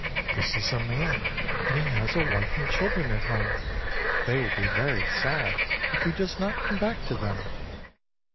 This is a man, and he has a wife and children at home. They will be very sad if he does not come back to them.